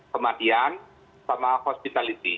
kematian sama hospitalisasi